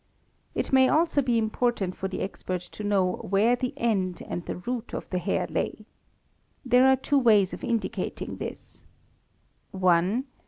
It may also be important for the expert to know where the end and the root of the hair lay. There are two ways of indicating this :— 1.